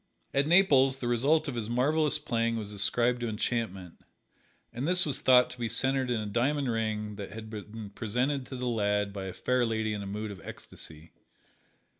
At Naples the result of his marvelous playing was ascribed to enchantment, and this was thought to be centered in a diamond ring that had been presented to the lad by a fair lady in a mood of ecstasy.